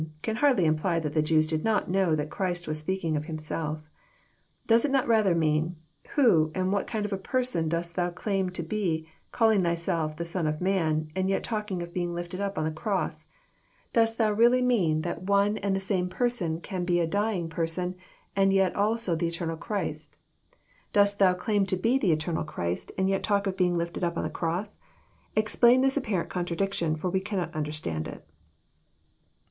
"can hardly imply that the Jews did not know that Christ was speaking of Him self. Does It not rather mean, " Who, and what kind of a per son dost Thou claim to be, calling Thyself the Son of man, and yet talking of being lifted np on the cross? Dost Thoa really 16 362 EXFOsrroRT thoughts. mean tliat one and the same person can be a dying person, and yet also the eternal Christ? Dost Thou claim to be the eternal Christ, and yet talk of being lifted np on a cross ? Explain this apparent contradiction, for we cannot understand it."